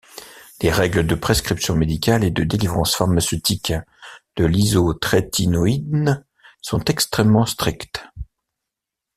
Les règles de prescription médicale et de délivrance pharmaceutique de l'isotrétinoïne sont extrêmement strictes.